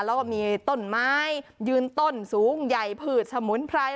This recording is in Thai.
แล้วก็มีต้นไม้ยืนต้นสูงใหญ่ผืดสมุนไพร